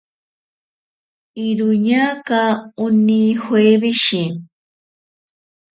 Iroñaaka oni joeweshi.